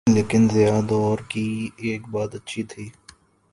لیکن ضیاء دور کی ایک بات اچھی تھی۔